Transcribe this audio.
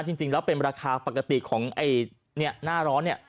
นะจริงแล้วเป็นราคาปกติของไอ้เนี่ยงี่หน้าร้อน